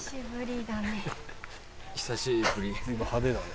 久しぶりだね。